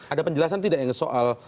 ada penjelasan tidak yang soal